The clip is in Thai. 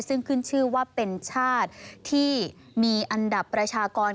ซึ่งขึ้นชื่อว่าเป็นชาติที่มีอันดับประชากร